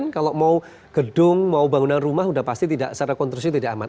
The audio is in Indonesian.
kalau mau gedung mau bangunan rumah sudah pasti tidak secara konstruksi tidak aman